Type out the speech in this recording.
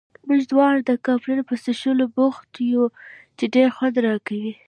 موږ دواړه د کاپري په څښلو بوخت یو، چې ډېر خوند راکوي.